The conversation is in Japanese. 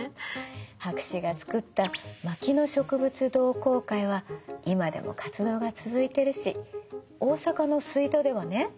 博士が作った牧野植物同好会は今でも活動が続いてるし大阪の吹田ではね